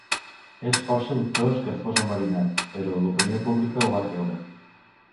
És força dubtós que fos enverinat, però l'opinió pública ho va creure.